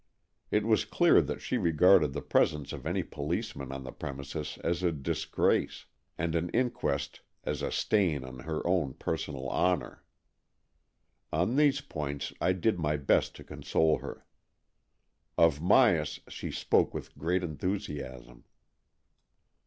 It was clear that she regarded the presence of any policemen on the premises as a disgrace, and an inquest as a stain on her own personal honour. On these points I did my best to console her. Of Myas she spoke with great enthusiasm.